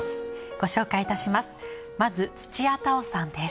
ご紹介いたします